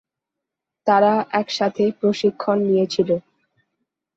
তারা একসাথে প্রশিক্ষণ নিয়েছিল।